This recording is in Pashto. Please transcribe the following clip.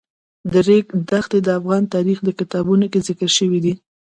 د ریګ دښتې د افغان تاریخ په کتابونو کې ذکر شوی دي.